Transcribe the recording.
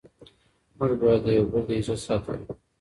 موږ باید د یو بل د عزت ساتنه وکړو.